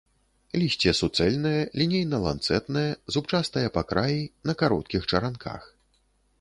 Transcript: Лісце суцэльнае, лінейна-ланцэтнае, зубчастае па краі, на кароткіх чаранках.